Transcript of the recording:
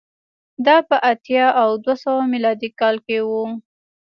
دا په اتیا او دوه سوه میلادي کال کې و